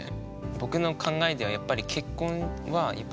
僕の考えではやっぱりうん。